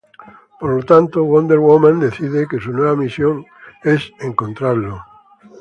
Por lo tanto, Wonder Woman decide que su nueva misión es encontrarlo.